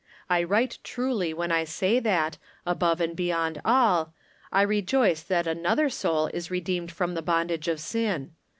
I write truly when I say that, above and beyond all, I rejoice that another soul is redeemed from the bondage of sin.